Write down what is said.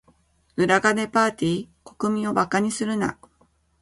裏金パーティ？国民を馬鹿にするな。